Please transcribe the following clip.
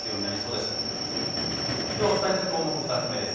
では、お伝えする項目２つ目です。